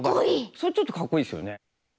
それちょっとかっこいいですよね。